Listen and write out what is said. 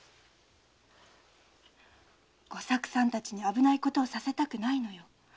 吾作さんたちに危ないことをさせたくないのよ。